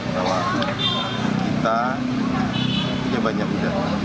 bahwa kita punya banyak bidang